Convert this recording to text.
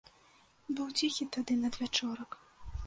Быў ціхі тады надвячорак.